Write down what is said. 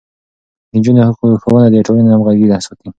د نجونو ښوونه د ټولنې همغږي ساتي.